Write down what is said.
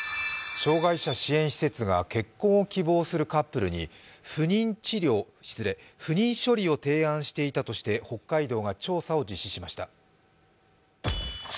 障害者支援施設が結婚を希望するカップルに不妊処理を提案していたとして北海道が調査しました。